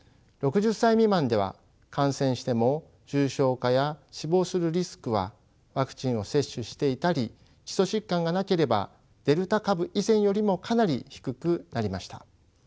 ６０歳未満では感染しても重症化や死亡するリスクはワクチンを接種していたり基礎疾患がなければデルタ株以前よりもかなり低くなりました。